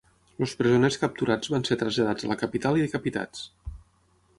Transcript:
Els presoners capturats van ser traslladats a la capital i decapitats.